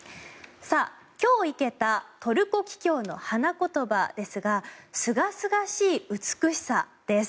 今日生けたトルコキキョウの花言葉ですがすがすがしい美しさです。